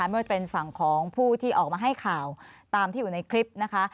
เมื่อเป็นฝั่งของผู้ที่ออกมาให้ข่าวตามที่อยู่ในคลิปนะคะ